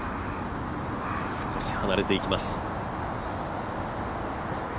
少し離れていきます。